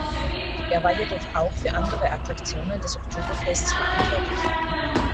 Er war jedoch auch für andere Attraktionen des Oktoberfestes verantwortlich.